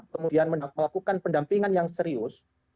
kemudian melakukan pendampingan yang serius